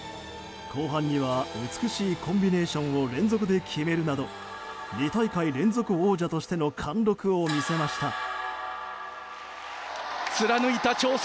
後半には美しいコンビネーションを連続で決めるなど２大会連続王者としての貫禄を見せました。